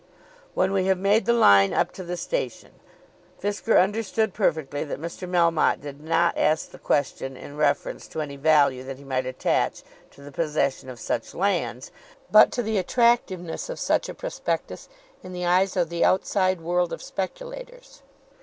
"When we have made the line up to the station." Fisker understood perfectly that Mr. Melmotte did not ask the question in reference to any value that he might attach to the possession of such lands, but to the attractiveness of such a prospectus in the eyes of the outside world of speculators.